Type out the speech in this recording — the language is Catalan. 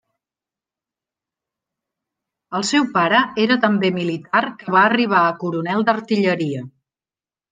El seu pare era també militar que va arribar a coronel d'artilleria.